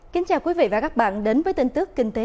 kính chào quý vị và các bạn đến với tin tức kinh tế